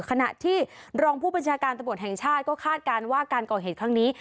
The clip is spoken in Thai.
ขณะที่รองผู้บัญชาการตำรวจแห่งชาติก็คาดการณ์ว่าการก่อเหตุครั้งนี้